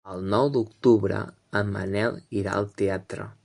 El nou d'octubre en Manel irà al teatre.